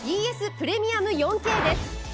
プレミアム４Ｋです。